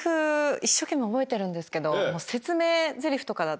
一生懸命覚えてるんですけど。